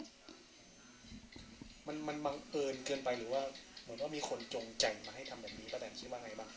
มันบังเอิญเกินไปหรือว่าเหมือนว่ามีคนจงใจมาให้ทำแบบนี้ป้าแตนคิดว่าไงบ้าง